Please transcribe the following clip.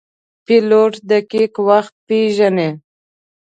پیلوټ دقیق وخت پیژني.